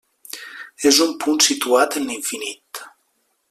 És un punt situat en l'infinit.